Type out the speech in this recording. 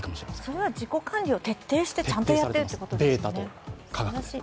それは自己管理を徹底して、ちゃんとやっているということですね。